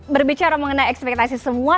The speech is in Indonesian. berbicara mengenai ekspektasi semua